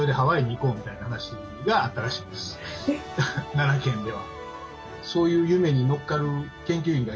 奈良県では。